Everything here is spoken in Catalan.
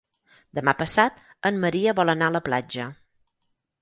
Demà passat en Maria vol anar a la platja.